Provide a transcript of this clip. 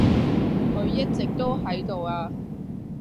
佢一直都喺度呀